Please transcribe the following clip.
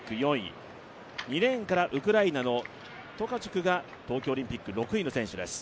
そして２レーンからウクライナのトカチュクが東京オリンピック６位の選手です。